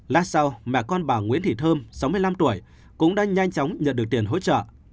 lát sau mẹ con bà nguyễn thị thơm sáu mươi năm tuổi cũng đã nhanh chóng nhận được tiền hỗ trợ